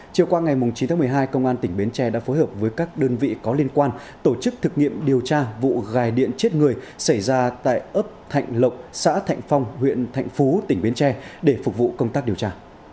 chiều qua ngày chín tháng một mươi hai công an tỉnh bến tre đã phối hợp với các đơn vị có liên quan tổ chức thực nghiệm điều tra vụ gai điện chết người xảy ra tại ấp thạnh lộng xã thạnh phong huyện thạnh phú tỉnh bến tre để phục vụ công tác điều tra